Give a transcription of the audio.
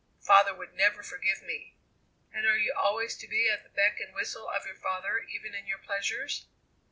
"Father would never forgive me!" "And are you always to be at the beck and whistle of your father even in your pleasures?"